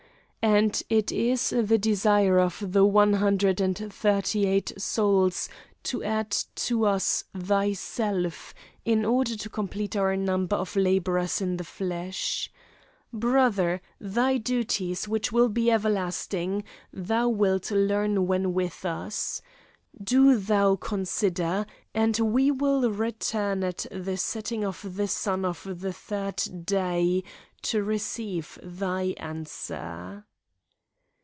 And it is the desire of the one hundred and thirty eight souls to add to us thyself, in order to complete our number of laborers in the flesh. Brother, thy duties, which will be everlasting, thou wilt learn when with us. Do thou consider, and we will return at the setting of the sun of the third day, to receive thy answer."